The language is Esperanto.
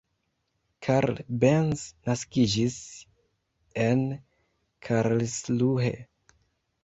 Karl Benz naskiĝis en Karlsruhe.